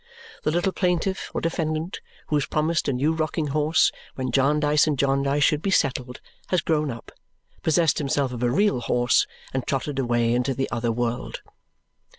The little plaintiff or defendant who was promised a new rocking horse when Jarndyce and Jarndyce should be settled has grown up, possessed himself of a real horse, and trotted away into the other world.